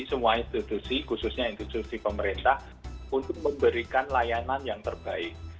semua institusi khususnya institusi pemerintah untuk memberikan layanan yang terbaik